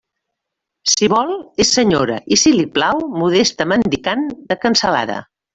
Si vol, és senyora, i si li plau, modesta mendicant de cansalada.